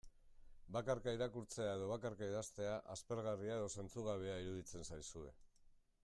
Bakarka irakurtzea edo bakarka idaztea, aspergarria edo zentzugabea iruditzen zaizue.